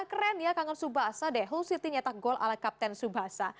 keren ya kangen tsubasa deh hull city nyetak gol ala kapten tsubasa